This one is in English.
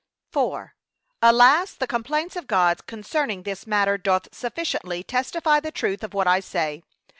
4. Alas, the complaints of God concerning this matter, doth sufficiently testify the truth of what I say.